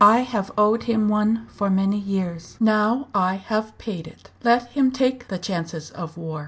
I have owed him one for many years now I have paid it. Let him take the chances of war!"